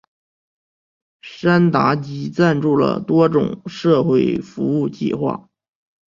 山达基赞助了多种社会服务计画。